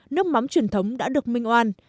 nước mắm truyền thống đã được minh oan